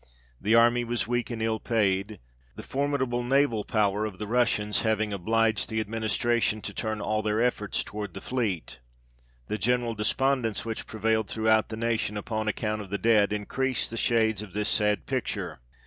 The army was weak and ill paid, the formidable naval power of the Russians having obliged the administration to turn all their efforts towards the fleet. The general despondence which prevailed throughout the nation, upon account of the Debt, increased the shades of this sad picture.